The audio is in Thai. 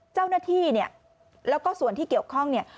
เจ้าหน้าที่เนี่ยแล้วก็ส่วนที่เกี่ยวข้องเนี่ย